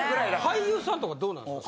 俳優さんとかどうなんですか？